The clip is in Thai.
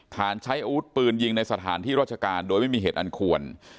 ใช้อาวุธปืนยิงในสถานที่ราชการโดยไม่มีเหตุอันควร